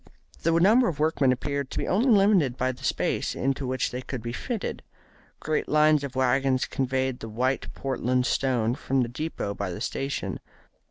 The number of workmen appeared to be only limited by the space into which they could be fitted. Great lines of waggons conveyed the white Portland stone from the depot by the station.